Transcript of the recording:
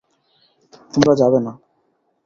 তোমরা যাবে না!